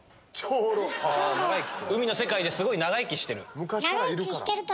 海の世界ですごい長生きしてる。